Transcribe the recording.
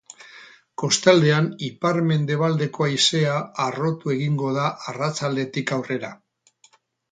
Kostaldean ipar-mendebaldeko haizea harrotu egingo da arratsaldetik aurrera.